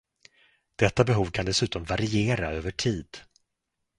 Detta behov kan dessutom variera över tid.